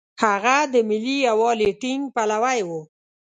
هغه د ملي یووالي ټینګ پلوی و.